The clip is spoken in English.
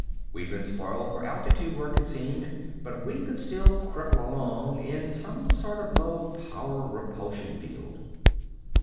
We'd been spoiled for altitude work, it seemed, but we could still cripple along in some sort of low power repulsion field.